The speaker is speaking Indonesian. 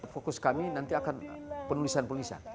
fokus kami nanti akan penulisan penulisan itu satu